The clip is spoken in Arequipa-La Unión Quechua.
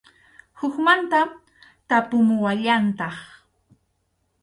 Hukmanta tapumuwallantaq.